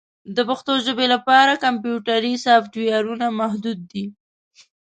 د پښتو ژبې لپاره کمپیوټري سافټویرونه محدود دي.